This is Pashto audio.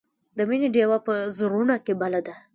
د مینې ډیوه یې په زړونو کې بله ده.